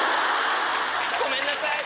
ごめんなさい